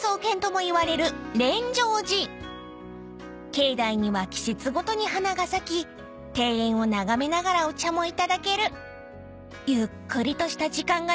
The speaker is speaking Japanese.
［境内には季節ごとに花が咲き庭園を眺めながらお茶も頂けるゆっくりとした時間が流れるお寺］